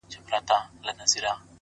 اوښکي نه راتویومه خو ژړا کړم ـ